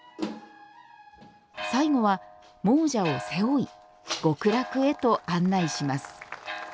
最後は、亡者を背負い極楽へと案内します。